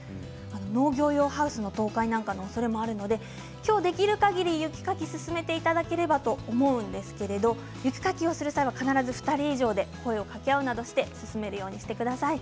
農業用ハウスの倒壊などのおそれもありますので今日、できるかぎり雪かきを進めていただければと思うんですけれども雪かきをする際は必ず２人以上で声をかけ合うなどして進めるようにしてください。